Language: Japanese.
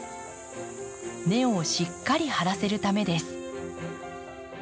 根をしっかり張らせるためです。